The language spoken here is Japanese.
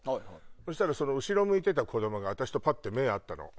そしたら後ろ向いてた子供が私とぱって目が合ったの。